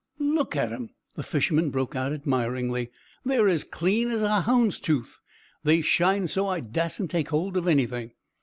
"Look at 'em!" the fisherman broke out, admiringly. "They're as clean as a hound's tooth. They shine so I dassent take hold of anything."